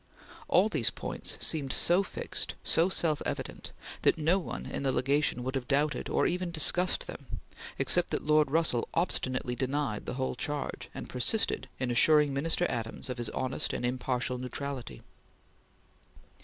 All these points seemed so fixed so self evident that no one in the Legation would have doubted or even discussed them except that Lord Russell obstinately denied the whole charge, and persisted in assuring Minister Adams of his honest and impartial neutrality.